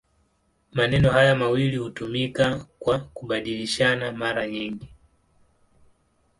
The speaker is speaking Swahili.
Maneno haya mawili hutumika kwa kubadilishana mara nyingi.